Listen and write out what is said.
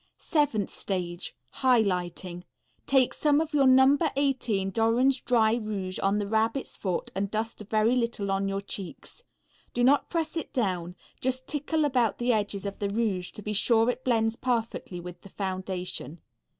Seventh stage. High lighting. Take some of your No. 18 Dorin's dry rouge on the rabbit's foot and dust a very little on your cheeks. Do not press it down, just tickle about the edges of the rouge to be sure it blends perfectly with the foundation.